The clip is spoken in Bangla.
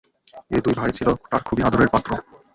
এ দুই ভাই ছিল তাঁর খুবই আদরের পাত্র।